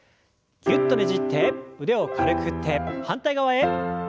ぎゅっとねじって腕を軽く振って反対側へ。